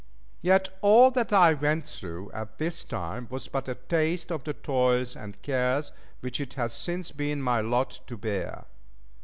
Yet all that I went through at this time was but a taste of the toils and cares which it has since been my lot to bear.